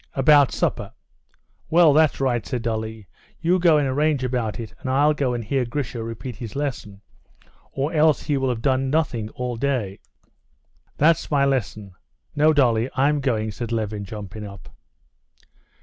"About supper." "Well, that's right," said Dolly; "you go and arrange about it, and I'll go and hear Grisha repeat his lesson, or else he will have nothing done all day." "That's my lesson! No, Dolly, I'm going," said Levin, jumping up.